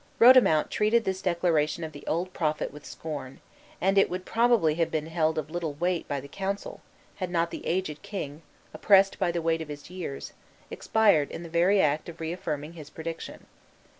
Rodomont treated this declaration of the old prophet with scorn, and it would probably have been held of little weight by the council, had not the aged king, oppressed by the weight of years, expired in the very act of reaffirming his prediction.